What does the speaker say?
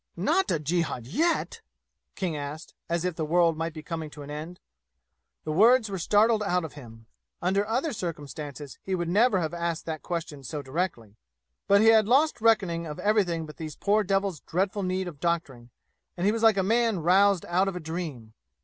"Not a jihad yet?" King asked, as if the world might be coming to an end. The words were startled out of him. Under other circumstances he would never have asked that question so directly; but he had lost reckoning of everything but these poor devils' dreadful need of doctoring, and he was like a man roused out of a dream.